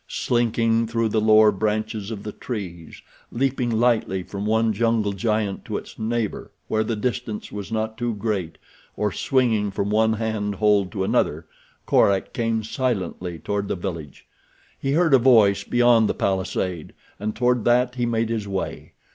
Slinking through the lower branches of the trees, leaping lightly from one jungle giant to its neighbor where the distance was not too great, or swinging from one hand hold to another Korak came silently toward the village. He heard a voice beyond the palisade and toward that he made his way.